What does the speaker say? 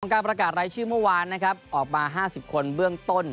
การประกาศรายชื่อเมื่อวานนะครับออกมา๕๐คนเบื้องต้น